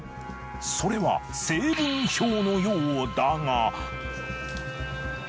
それは成分表のようだが。